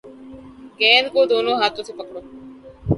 گیند کو دونوں ہاتھوں سے پکڑو